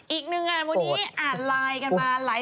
อีกหนึ่งอ่ะวันนี้อ่านไลน์กันมา